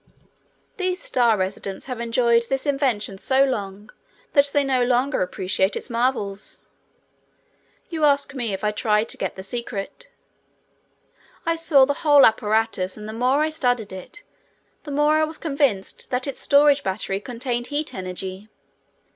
These star residents have enjoyed this invention so long that they no longer appreciate its marvels. You ask me if I tried to get the secret. I saw the whole apparatus and the more I studied it, the more I was convinced that its storage battery contained heat energy.